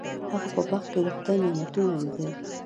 هغه په باغ کې د خدای نعمتونه لیدل.